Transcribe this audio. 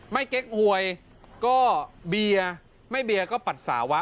เก๊กหวยก็เบียร์ไม่เบียร์ก็ปัสสาวะ